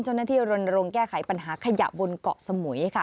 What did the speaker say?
ชนที่ลนรงแก้ไขปัญหาขยะบนเกาะสมุยค่ะ